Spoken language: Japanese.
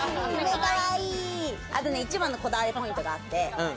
一番のこだわりポイントがあって。